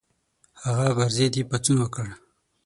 هغه پر ضد یې پاڅون وکړ.